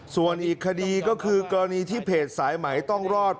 ส่วนอีกคดีก็คือกรณีที่เพจสายไหมต้องรอด